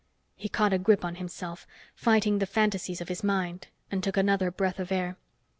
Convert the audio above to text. He caught a grip on himself, fighting the fantasies of his mind, and took another breath of air.